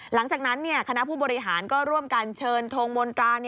หลังจากนั้นคณะผู้บริหารก็ร่วมกันเชิญทงมนตรา